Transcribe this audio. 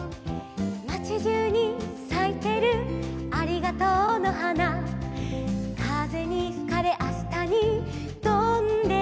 「まちじゅうにさいてるありがとうの花」「風にふかれあしたにとんでいく」